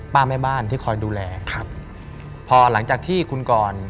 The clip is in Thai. แม่บ้านที่คอยดูแลครับพอหลังจากที่คุณกร